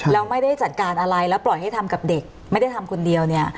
แล้วไม่ได้จัดการอะไรแล้วปล่อยให้ทำกับเด็กไม่ได้ทำคนเดียวเนี่ย